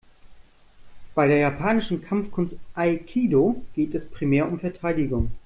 Bei der japanischen Kampfkunst Aikido geht es primär um Verteidigung.